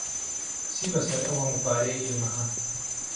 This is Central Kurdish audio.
چی بەسەر ئەو هەموو پارەیەی ئێمە هات؟